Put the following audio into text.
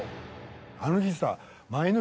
あの日さ。